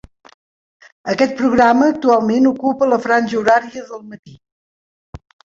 Aquest programa actualment ocupa la franja horària del matí.